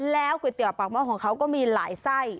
แล้วก๋วยเตี๋ยวปากหม้อของเขาก็มีหลายไส้